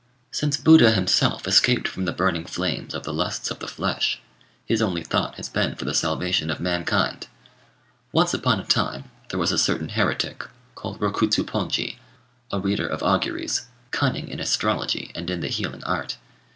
"Since Buddha himself escaped from the burning flames of the lusts of the flesh, his only thought has been for the salvation of mankind. Once upon a time there was a certain heretic, called Rokutsuponji, a reader of auguries, cunning in astrology and in the healing art.